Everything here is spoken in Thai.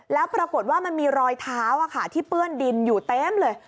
แล้วปรากฏว่ามันมีรอยเท้าที่เปื้อนดินอยู่เต็มเลย